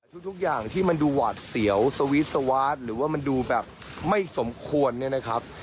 ทุกอย่างที่มันดูหวาดเสียวสวีทสวาสหรือว่ามันดูแบบไม่สมควรเนี่ยนะครับ